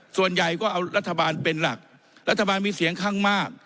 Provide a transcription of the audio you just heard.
ส่วนใหญ่ก็เอารัฐบาลเป็นหลักรัฐบาลมีเสียงข้างมาก